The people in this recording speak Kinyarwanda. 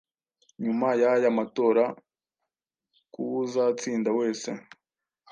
nyuma y'aya matora, k'uwuzatsinda wese.